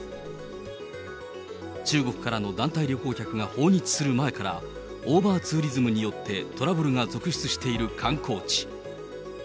中国からの団体旅行客が訪日する前から、オーバーツーリズムによってトラブルが続出している観光地。